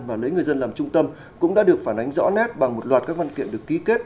và lấy người dân làm trung tâm cũng đã được phản ánh rõ nét bằng một loạt các văn kiện được ký kết